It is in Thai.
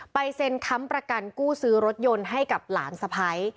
เซ็นค้ำประกันกู้ซื้อรถยนต์ให้กับหลานสะพ้าย